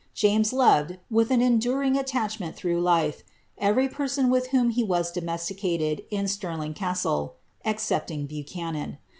James loteii. with ail enduring attachment through life, every person with whom he waa domesticated in Stirling Casilc, excepting Buchanan.'